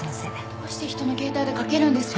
どうして人の携帯でかけるんですか？